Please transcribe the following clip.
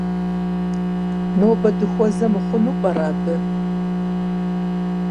Нобэ дыхуэзэ мыхъуну пӀэрэ абы?